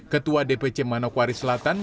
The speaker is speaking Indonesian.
ketua dpc manokwari selatan